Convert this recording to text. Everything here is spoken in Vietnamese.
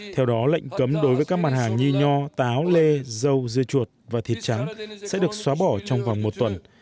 theo đó lệnh cấm đối với các mặt hàng như nho táo lê dâu dưa chuột và thịt trắng sẽ được xóa bỏ trong vòng một tuần